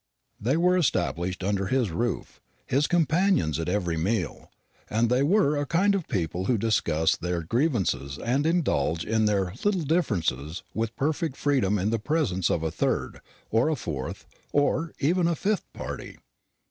They were established under his roof, his companions at every meal; and they were a kind of people who discuss their grievances and indulge in their "little differences" with perfect freedom in the presence of a third, or a fourth, or even a fifth party.